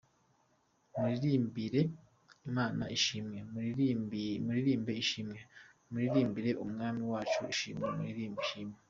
Muririmbire Imana ishimwe, Muririmbe ishimwe, Muririmbire Umwami wacu ishimwe, Muririmbe ishimwe.